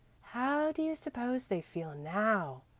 "How do you suppose they feel now?"